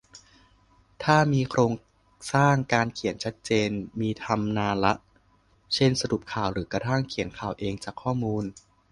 ถ้ามีโครงสร้างการเขียนชัดเจนมีทำนานละ เช่น สรุปข่าว หรือกระทั่งเขียนข่าวเองจากข้อมูล